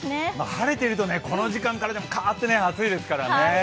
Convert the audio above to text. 晴れてると、この時間からカーッと暑いですからね。